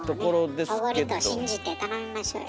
そこはもうねおごりと信じて頼みましょうよ。